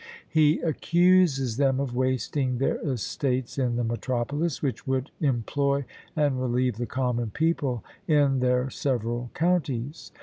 He accuses them of wasting their estates in the metropolis, which would employ and relieve the common people in their several counties.